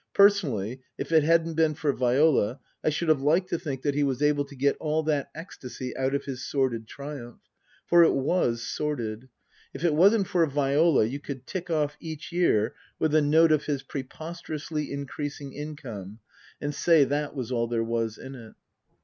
Personally, if it hadn't been for Viola, I should have liked to think that he was able to get all that ecstasy out of his sordid triumph. For it was sordid. If it wasn't for Viola you could tick off each year with a note of his preposterously increasing income, and say that was all there was in it.